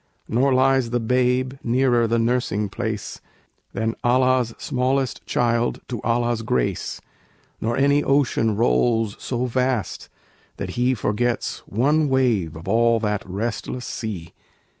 Nor lies the babe nearer the nursing place Than Allah's smallest child to Allah's grace; Nor any ocean rolls so vast that He Forgets one wave of all that restless sea.